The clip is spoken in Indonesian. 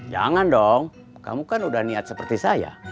jangan dong kamu kan udah niat seperti saya